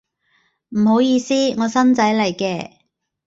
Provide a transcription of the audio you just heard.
唔好意思，我新仔嚟嘅